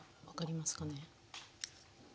分かりますかね？